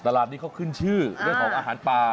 ตลาดนี้เขาขึ้นชื่อเรื่องของอาหารป่า